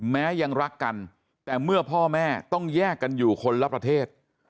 ยังรักกันแต่เมื่อพ่อแม่ต้องแยกกันอยู่คนละประเทศ